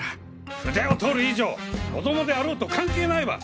筆を執る以上子供であろうと関係ないわ。